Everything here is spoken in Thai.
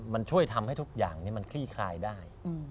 มันช่วยทำให้ทุกอย่างนี้มันคลี่คลายได้